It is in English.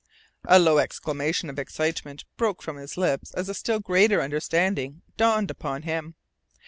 A low exclamation of excitement broke from his lips as a still greater understanding dawned upon him.